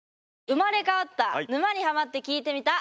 生まれ変わった「沼にハマってきいてみた」。